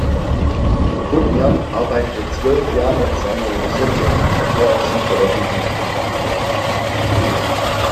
Putnam arbeitete zwölf Jahre an seiner Übersetzung, bevor er sie veröffentlichte.